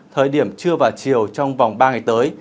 thời điểm trưa và chiều trong vòng ba ngày tới